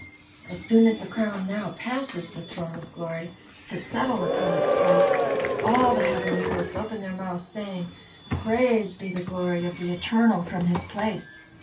As soon as the crown now passes the Throne of Glory, to settle upon its place, all the heavenly hosts open their mouths, saying: "Praised be the glory of the Eternal from His place."